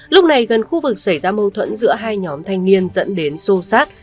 lúc này gần khu vực xảy ra mâu thuẫn giữa hai nhóm thanh niên dẫn đến sô sát